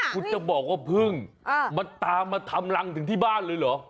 คุณจะบอกว่าพึ่งมันตามมาทำรังถึงที่บ้านเลยเหรอ